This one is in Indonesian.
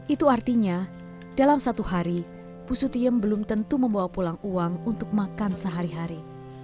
itu artinya dalam satu hari busutiem belum tentu membawa pulang uang untuk makan sehari hari